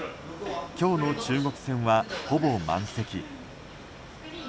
今日の中国戦はほぼ満席。